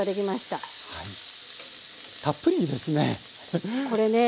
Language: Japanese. たっぷりですね！